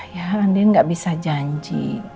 ya andin gak bisa janji